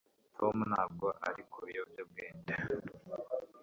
Tom ntabwo ari ku biyobyabwenge